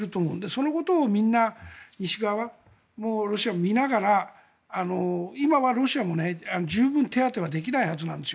そのことをみんな西側もロシアも見ながら今はロシアも十分、手当てはできないはずなんです。